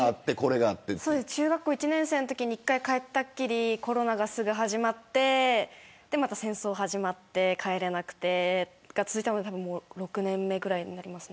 中学校１年生のときに１回帰ったきりコロナが始まってまた戦争が始まって帰れなくてが続いてもう６年目ぐらいです。